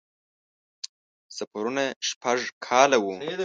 سفرونه یې شپږ کاله وو.